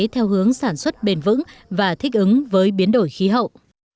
theo hướng sản xuất bền vững và thích ứng với biến đổi khí hậu